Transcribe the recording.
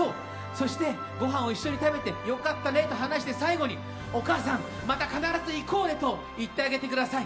そしてごはんを一緒に食べて良かったねと話して最後にお母さんまた必ず行こうねと言ってあげてください。